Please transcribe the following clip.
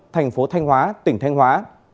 thành phố thanh hóa tỉnh thanh hóa